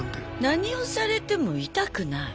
何をされても痛くない？